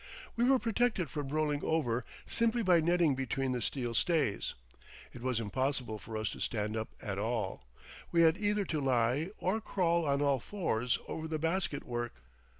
We were protected from rolling over simply by netting between the steel stays. It was impossible for us to stand up at all; we had either to lie or crawl on all fours over the basket work.